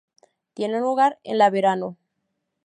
Tiene lugar en la verano.